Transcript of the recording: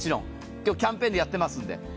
今日、キャンペーンでやってますんで。